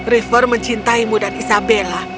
river mencintaimu dan isabella